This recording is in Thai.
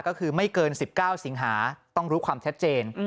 ก็คือไม่เกิน๑๙สิงหาต้องรู้ความชัดเจน